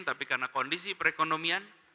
tapi karena kondisi perekonomian